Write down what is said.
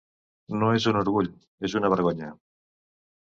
No és un orgull, és una vergonya.